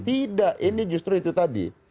tidak ini justru itu tadi